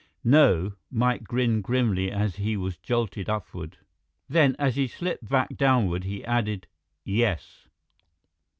"No." Mike grinned grimly as he was jolted upward. Then, as he slipped back downward, he added, "Yes."